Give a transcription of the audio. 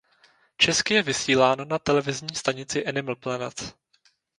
Česky je vysílán na televizní stanici Animal Planet.